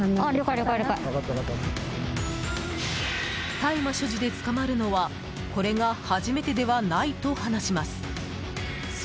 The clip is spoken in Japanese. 大麻所持で捕まるのはこれが初めてではないと話します。